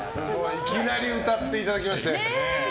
いきなり歌っていただきました。